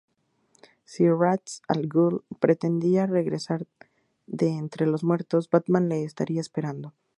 Si Ra's al Ghul pretendía regresar de entre los muertos, Batman le estaría esperando.